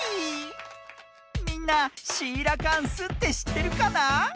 みんなシーラカンスってしってるかな？